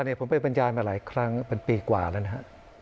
เนี่ยผมเป็นบรรยาณมาหลายครั้งปีกว่าแล้วนะฮะ